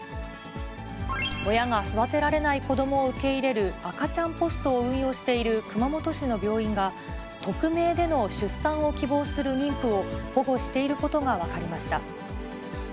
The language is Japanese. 親が育てられない子どもを受け入れる赤ちゃんポストを運用している熊本市の病院が、匿名での出産を希望する妊婦を保護していることが分かりました。